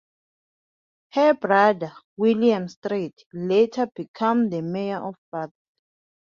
Her brother, William Street, later became the Mayor of Bath.